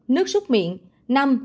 bốn nước sốt miệng